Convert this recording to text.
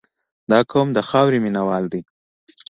• دا قوم د خاورې مینه وال دي.